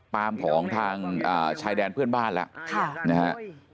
ปามของทางชายแดนเพื่อนบ้านแล้วนะฮะ